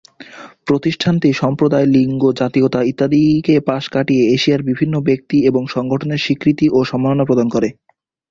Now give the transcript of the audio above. প্রতিষ্ঠানটি সম্প্রদায়, লিঙ্গ, জাতীয়তা ইত্যাদিকে পাশ কাটিয়ে এশিয়ার বিভিন্ন ব্যক্তি এবং সংগঠনের স্বীকৃতি ও সম্মাননা প্রদান করে।